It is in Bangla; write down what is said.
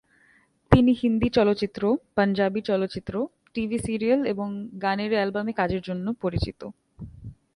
তিনি হিন্দি চলচ্চিত্র, পাঞ্জাবী চলচ্চিত্র, টিভি সিরিয়াল এবং গানের অ্যালবামে কাজের জন্য পরিচিত।